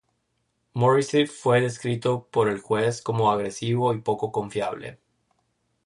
Morrissey fue descrito por el juez como "agresivo y poco confiable".